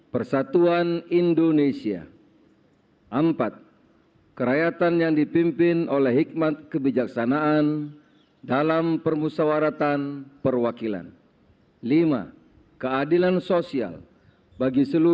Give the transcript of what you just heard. persiapan pembacaan teks pancasila